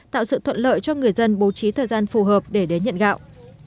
tạo sự thuận lợi cho người dân bố trí thời gian phù hợp để đến nhận gạo